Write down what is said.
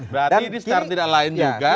berarti ini secara tidak lain juga